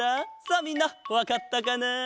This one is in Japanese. さあみんなわかったかなあ？